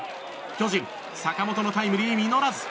巨人、坂本のタイムリー実らず。